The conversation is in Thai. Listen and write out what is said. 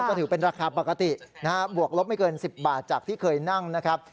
ก็ถือเป็นราคาปกตินะฮะบวกลบไม่เกิน๑๐บาทจากที่เคยนั่งนะครับ